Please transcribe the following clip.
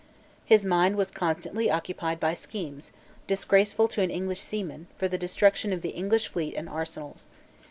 His mind was constantly occupied by schemes, disgraceful to an English seaman, for the destruction of the English fleets and arsenals.